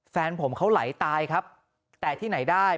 แฟนผมเขาไหลตายครับแต่ที่ไหนได้